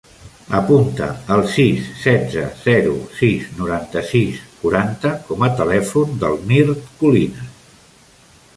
Apunta el sis, setze, zero, sis, noranta-sis, quaranta com a telèfon del Mirt Colinas.